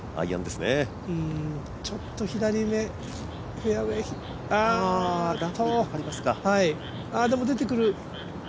ちょっと左目、フェアウエー、ああ、でも出てくる。